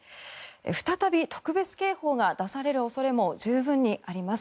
再び特別警報が出される恐れも十分にあります。